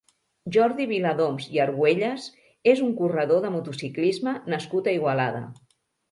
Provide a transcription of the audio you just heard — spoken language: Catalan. Jordi Viladoms i Argüelles és un corredor de motociclisme nascut a Igualada.